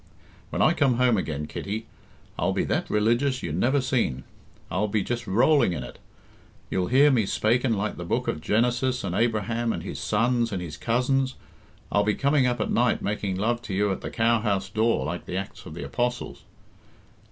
"When I come home again, Kitty, I'll be that religious you never seen. I'll be just rolling in it. You'll hear me spaking like the Book of Genesis and Abraham, and his sons, and his cousins; I'll be coming up at night making love to you at the cowhouse door like the Acts of the Apostles."